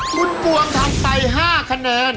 คุณปวงทำไป๕คะแนน